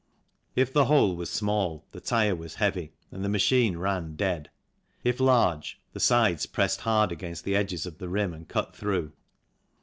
If the hole was small the tyre was heavy and the machine ran " dead "; if large, the sides pressed hard against the edges of the rim and cut through.